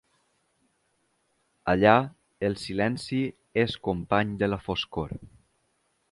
Allà el silenci és company de la foscor.